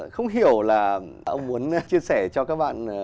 không hiểu là ông muốn chia sẻ cho các bạn